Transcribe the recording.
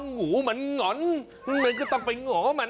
งูเม่นหง่อนใส่นีก็ต้องไปหง่อมัน